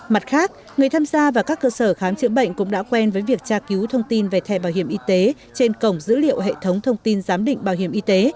mặt khác người tham gia và các cơ sở khám chữa bệnh cũng đã quen với việc tra cứu thông tin về thẻ bảo hiểm y tế trên cổng dữ liệu hệ thống thông tin giám định bảo hiểm y tế